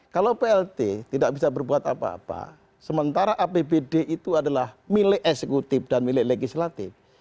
kalau plt tidak bisa berbuat apa apa sementara apbd itu adalah milik eksekutif dan milik legislatif